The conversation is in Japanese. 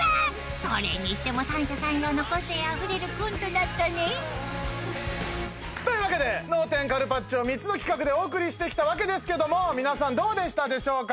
それにしても三者三様の個性あふれるコントだったねというわけで『脳天カルパッチョ』３つの企画でお送りしてきたわけですけども皆さんどうでしたでしょうか？